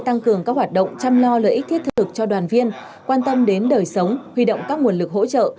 tăng cường các hoạt động chăm lo lợi ích thiết thực cho đoàn viên quan tâm đến đời sống huy động các nguồn lực hỗ trợ